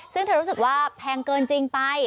ซึ่งเธอรู้สึกว่าแพงเกินจริงไป